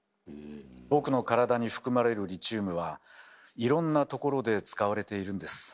僕の体に含まれるリチウムはいろんなところで使われているんです。